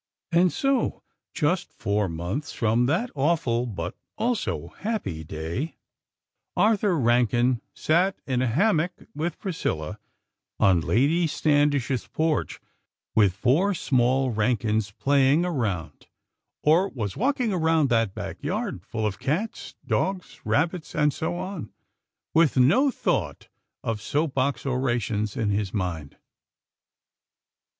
And so, just four months from that awful, but also happy day, Arthur Rankin sat in a hammock with Priscilla, on Lady Standish's porch, with four small Rankins playing around; or was walking around that back yard full of cats, dogs, rabbits, and so on, with no thought of soap box orations in his mind.